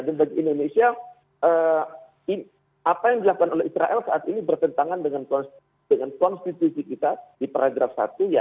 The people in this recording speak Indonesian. dan bagi indonesia apa yang dilakukan oleh israel saat ini berkentangan dengan konstitusi kita di paragraf satu